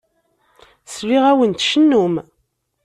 Sliɣ-awen tcennum.